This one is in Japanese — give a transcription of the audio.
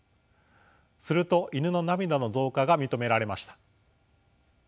するとイヌの涙の増加が認められました。